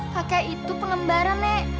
kakek itu pengembara nek